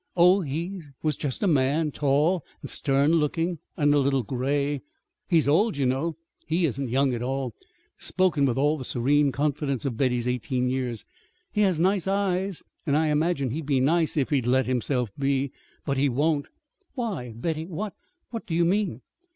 "Oh, he was just a man, tall and stern looking, and a little gray. He's old, you know. He isn't young at all" spoken with all the serene confidence of Betty's eighteen years. "He has nice eyes, and I imagine he'd be nice, if he'd let himself be. But he won't." "Why, Betty, what what do you mean?"